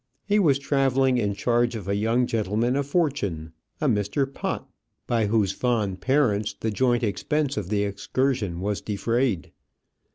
He was travelling in charge of a young gentleman of fortune, a Mr. Pott, by whose fond parents the joint expense of the excursion was defrayed.